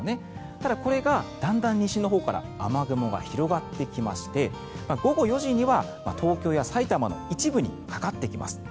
ただ、これがだんだん西のほうから雨雲が広がってきまして午後４時には東京や埼玉の一部にかかってきます。